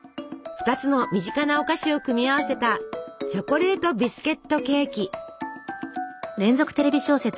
２つの身近なお菓子を組み合わせたチョコレートビスケットケーキ。